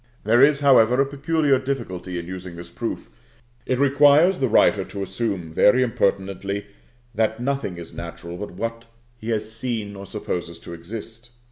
There is, however, a peculiar difficulty in using this proof; it requires the writer to assume, very impertinently, that nothing is natural but what he has seen or supposes to exist.